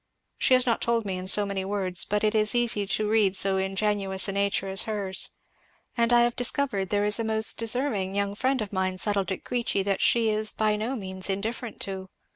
She has not told me in so many words, but it is easy to read so ingenuous a nature as hers, and I have discovered that there is a most deserving young friend of mine settled at Queechy that she is by no means indifferent to.